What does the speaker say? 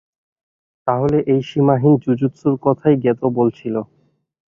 তাহলে এই সীমাহীন জুজুৎসুর কথাই গেতো বলছিলো।